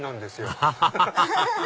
アハハハ！